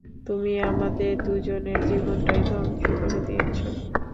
তুমি আমাদের দুজনের জীবনটাই ধ্বংস করে দিয়েছো।